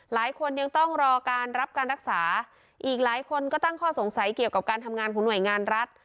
หลายคนยังต้องรอการรับการรักษาอีกหลายคนก็ตั้งข้อสงสัยเกี่ยวกับการทำงานของหน่วยงานรัฐ